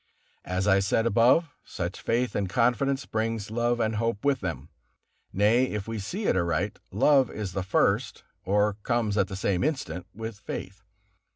As I said above, such faith and confidence bring love and hope with them. Nay, if we see it aright, love is the first, or comes at the same instant with faith.